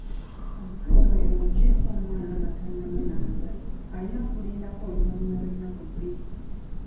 Omukazi oyo muggyeko omwana nga tannamunaaza alina kulindako luvannyuma lwa nnaku bbiri.